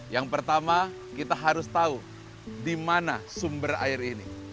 yang pertama kita harus tahu di mana sumber air ini